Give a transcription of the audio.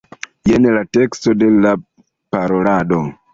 Jen la teksto de la parolado.